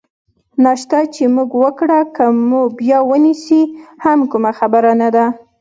ناشته چې مو وکړه، که مو بیا ونیسي هم کومه خبره نه ده.